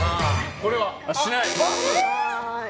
これはしてない。